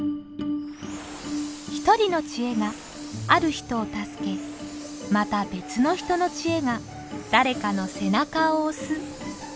一人のチエがある人を助けまた別の人のチエが誰かの背中を押す。